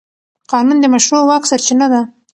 قانون د مشروع واک سرچینه ده.